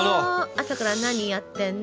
朝から何やってんの？